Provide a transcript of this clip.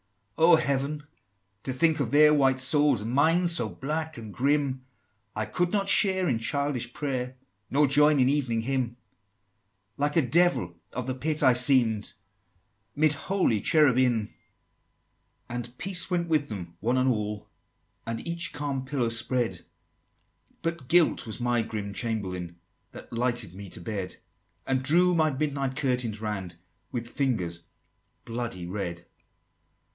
XXIII. "Oh, Heaven! to think of their white souls, And mine so black and grim! I could not share in childish prayer, Nor join in Evening Hymn: Like a Devil of the Pit I seem'd, 'Mid holy Cherubim!" XXIV. "And peace went with them, one and all, And each calm pillow spread: But Guilt was my grim Chamberlain That lighted me to bed; And drew my midnight curtains round, With fingers bloody red!"